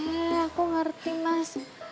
eh aku ngerti mas